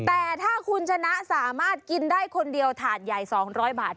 แต่ถ้าคุณชนะสามารถกินได้คนเดียวถาดใหญ่๒๐๐บาท